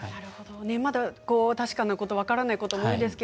まだ確かなこと分からないことが多いですね。